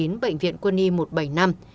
bên cạnh trường hợp của chị lê thị thanh thảo